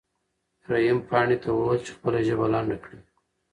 رحیم پاڼې ته وویل چې خپله ژبه لنډه کړي.